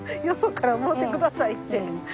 「よそからもうてください」って。